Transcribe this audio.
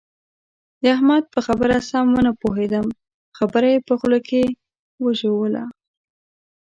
د احمد په خبره سم و نه پوهېدم؛ خبره يې په خوله کې وژوله.